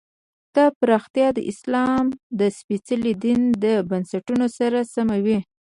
دا پراختیا د اسلام له سپېڅلي دین له بنسټونو سره سمه وي.